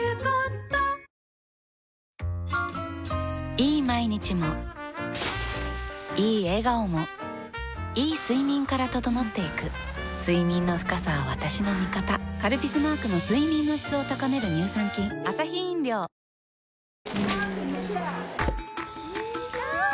いい毎日もいい笑顔もいい睡眠から整っていく睡眠の深さは私の味方「カルピス」マークの睡眠の質を高める乳酸菌雨。